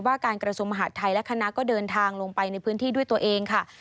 การกระทรวงมหาดไทยและคณะก็เดินทางลงไปในพื้นที่ด้วยตัวเองค่ะ